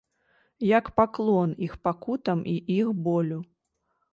Як паклон іх пакутам і іх болю.